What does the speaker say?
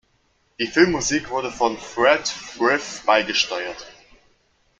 Die Filmmusik wurde von Fred Frith beigesteuert.